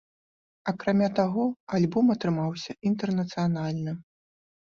Акрамя таго, альбом атрымаўся інтэрнацыянальным.